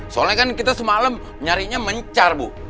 soalnya kan kita semalam nyarinya mencar bu